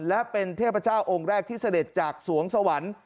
และเป็นเทพเจ้าองค์แรกที่เสด็จจากสวงสวรรค์